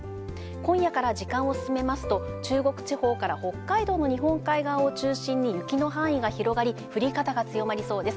今夜から時間を進めますと、中国地方から北海道の日本海側を中心に雪の範囲が広がり、降り方が強まりそうです。